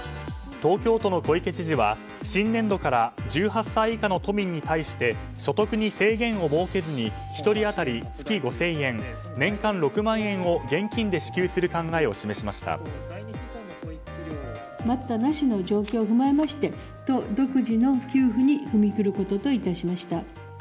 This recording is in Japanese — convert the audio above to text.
東京都の小池知事は新年度から１８歳以下の都民に対して所得に制限を設けずに１人当たり月５０００円年間６万円を現金で支給する考えを示しました。